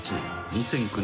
２００９年。